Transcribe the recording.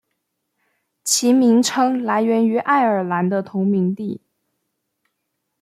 其名称来源于爱尔兰的同名地。